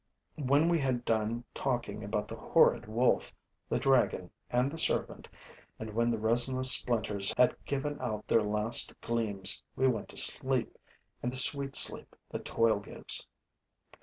When we had done talking about the horrid wolf, the dragon and the serpent and when the resinous splinters had given out their last gleams, we went to sleep the sweet sleep that toil gives.